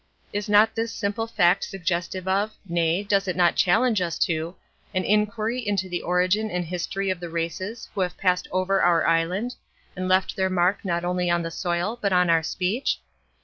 Is not this simple fact suggestive of, nay, does it not challenge us to, an inquiry into the origin and history of the races who have passed over our island, and left their mark not only on the soil, but on our speech?